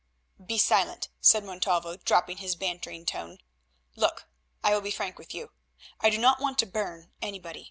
"Be silent," said Montalvo, dropping his bantering tone. "Look, I will be frank with you. I do not want to burn anybody.